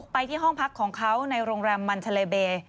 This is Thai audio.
ไปที่ห้องพักของเขาในโรงแรมมันทะเลเบย์